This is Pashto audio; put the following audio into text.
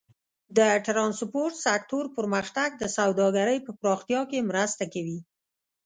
د ټرانسپورټ سکتور پرمختګ د سوداګرۍ په پراختیا کې مرسته کوي.